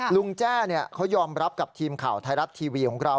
แจ้เขายอมรับกับทีมข่าวไทยรัฐทีวีของเรา